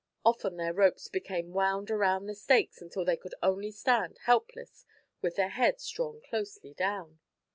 Often their ropes became wound around the stakes until they could only stand helpless, with their heads drawn closely down.